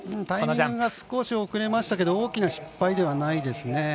タイミングが少し遅れましたけど大きな失敗ではないですね。